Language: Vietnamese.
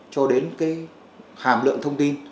cho đến hàm lượng thông tin